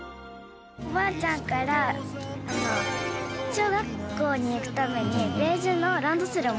おばあちゃんから小学校に行くためにベージュのランドセルをもらいました。